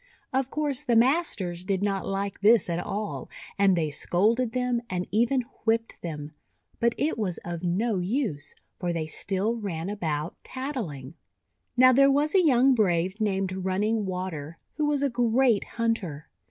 Of course the masters did not like this at all, and they scolded them, and even whipped them. But it was of no use, for they still ran about tattling. Now, there was a young brave named Run ning Water, who was a great hunter.